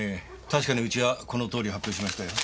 確かにウチはこのとおり発表しましたよ。